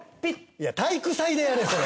いや体育祭でやれそれ。